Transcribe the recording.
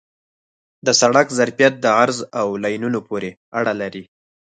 د سړک ظرفیت د عرض او لینونو پورې اړه لري